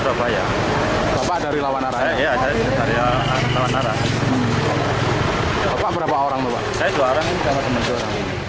ketiga kaki yang terlalu berpengalaman di jalan raya bypass kelurahan meri kota mojokerto berlangsung dramatis